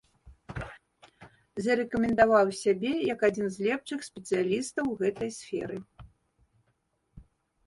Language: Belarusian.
Зарэкамендаваў сябе як адзін з лепшых спецыялістаў у гэтай сферы.